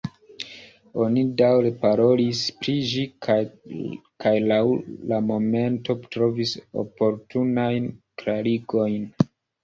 Oni daŭre parolis pri ĝi kaj laŭ la momento trovis oportunajn klarigojn.